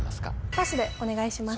パスでお願いします